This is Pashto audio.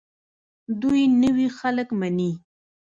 دوی نوي خلک مني.